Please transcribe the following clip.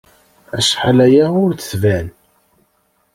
Acḥal aya ur d-tban.